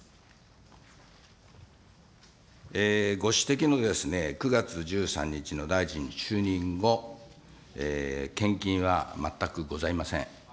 ご指摘のですね、９月１３日の大臣就任後、献金は全くございません。